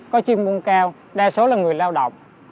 có chuyên môn cao đa số là người lao động